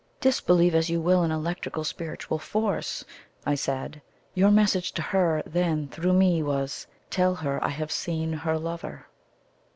"Disbelieve as you will in electric spiritual force," I said. "Your message to her then through me was TELL HER I HAVE SEEN HER LOVER."